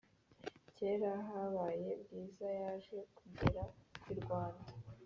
Kera kabaye bwiza yaje kugera irwanda